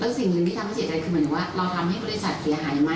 สิ่งหนึ่งที่ทำให้เสียใจคือเหมือนว่าเราทำให้บริษัทเสียหายมา